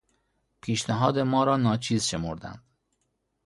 پیشنهاد ما را ناچیز شمردند.